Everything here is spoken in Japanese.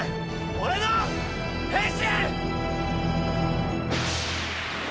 俺の変身！